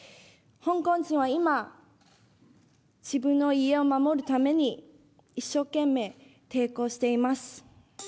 香港人は今、自分の家を守るために、一生懸命抵抗しています。